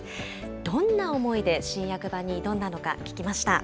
どんな思いで新訳版に挑んだのか、聞きました。